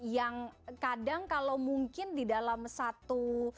yang kadang kalau mungkin di dalam satu